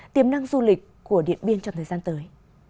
tiềm năng du lịch của điện biên trong thời gian tới